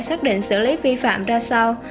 xác định xử lý vi phạm ra sao